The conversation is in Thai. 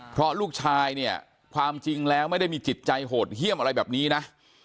เพราะลูกชายเนี่ยความจริงแล้วไม่ได้มีจิตใจโหดเยี่ยมอะไรแบบนี้นะ